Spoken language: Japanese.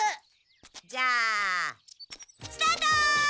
じゃあスタート！